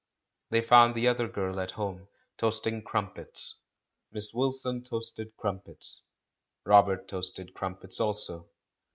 They found the other girl at home, toast ing crumpets. Miss Wilson toasted crumpets. Robert toasted crumpets also.